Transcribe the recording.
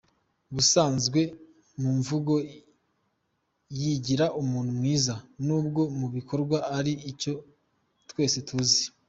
Ubusanzwe mumvugo yigira umuntu mwiza nubwo mubikorwa ari icyo twese tuzi.